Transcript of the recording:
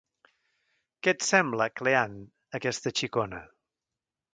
Què et sembla, Cleant, aquesta xicona?